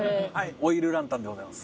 オイルランタンでございます。